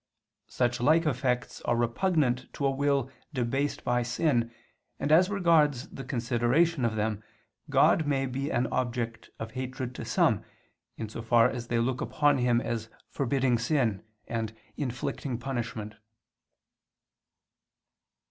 Such like effects are repugnant to a will debased by sin, and as regards the consideration of them, God may be an object of hatred to some, in so far as they look upon Him as forbidding sin, and inflicting punishment.